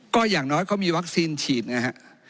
ก็อย่างน้อยเขามีวัคซีนฉีดนะฮะ